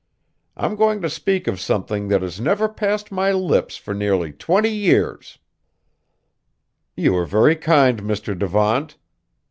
I'm going to speak of something that has never passed my lips for nearly twenty years." "You are very kind, Mr. Devant."